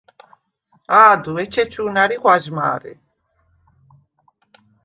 ა̄დუ, ეჩეჩუ̄ნ ა̈რი ღვაჟმა̄რე.